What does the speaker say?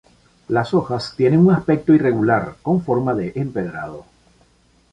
Las hojas tienen un aspecto irregular, con forma de empedrado.